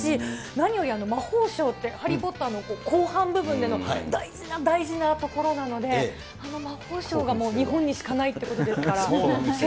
何より魔法省って、ハリー・ポッターの後半部分での大事な大事なところなので、あの魔法省がもう日本にしかないということですから。